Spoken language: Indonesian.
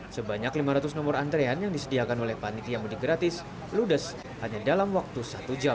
sebanyak lima ratus nomor antrean yang disediakan oleh panitia mudik gratis ludes hanya dalam waktu satu jam